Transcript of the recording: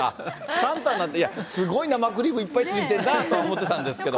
サンタになって、いや、すごい生クリームいっぱいついてんなと思ってたんですけど。